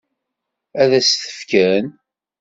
Ad s-t-fken?